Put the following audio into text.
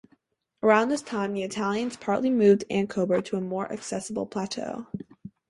Around this time the Italians partly moved Ankober to a more accessible plateau.